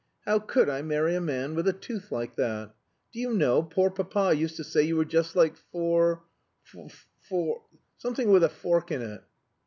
"How could I marry a man with a tooth like that! Do you know, poor papa used to say you were just like Phorc Phorc something with a fork in it."